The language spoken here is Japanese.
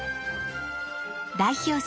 代表作